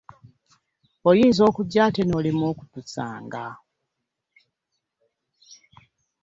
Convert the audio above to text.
Oyinza okujja ate n'olema okutusanga.